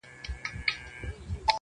لمن كي مي د سپينو ملغلرو كور ودان دى.